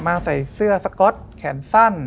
ใส่เสื้อสก๊อตแขนสั้น